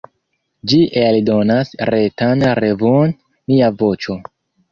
Ĝi eldonas retan revuon "Nia Voĉo".